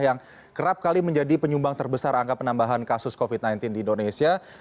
yang kerap kali menjadi penyumbang terbesar angka penambahan kasus covid sembilan belas di indonesia